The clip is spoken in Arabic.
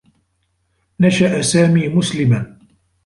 نشأ سامي مسلما.